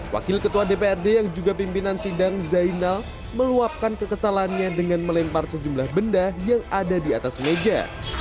wakil ketua dprd yang juga pimpinan sidang zainal meluapkan kekesalannya dengan melempar sejumlah benda yang ada di atas meja